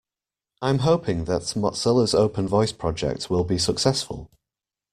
I'm hoping that Mozilla's Open Voice project will be successful.